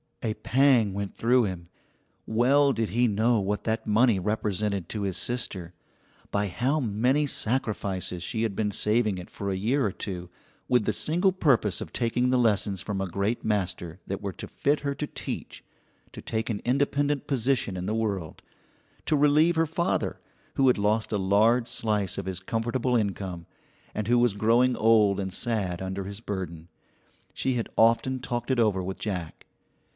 A pang went through him. Well did he know what that money represented to his sister; by how many sacrifices she had been saving it for a year or two, with the single purpose of taking the lessons from a great master that were to fit her to teach, to take an independent position in the world, to relieve her father, who had lost a large slice of his comfortable income, and who was growing old and sad under his burden. She had often talked it over with Jack.